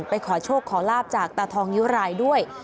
ไปขอโชคขอลาบจากตาทองนิ้วรายด้วย